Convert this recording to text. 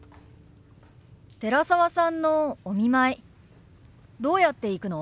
寺澤さんのお見舞いどうやって行くの？